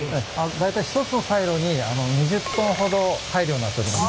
大体１つのサイロに２０トンほど入るようになっております。